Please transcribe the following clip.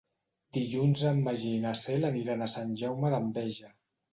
Dilluns en Magí i na Cel aniran a Sant Jaume d'Enveja.